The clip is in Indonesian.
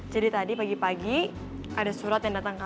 jadi tadi pagi pagi ada surat yang datang ke